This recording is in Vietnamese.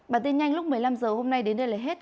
bản tin nhanh lúc một mươi năm h hôm nay đến đây là hết